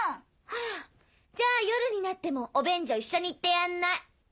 あらじゃあ夜になってもお便所一緒に行ってやんない。